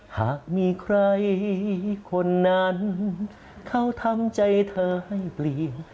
หากมีใครคนนั้นเขาทำใจเธอให้เปลี่ยน